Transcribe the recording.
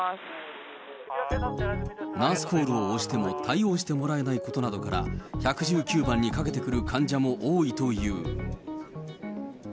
ナースコールを押しても対応してもらえないことなどから、１１９番にかけてくる患者も多いという。